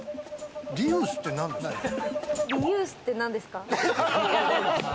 リユースって何ですか？